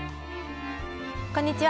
こんにちは。